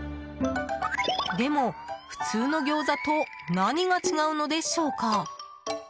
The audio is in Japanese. でも、普通の餃子と何が違うのでしょうか？